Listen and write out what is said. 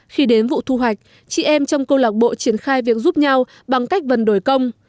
khi đến vụ thu hoạch chị em trong câu lạc bộ triển khai việc giúp nhau bằng cách vần đổi công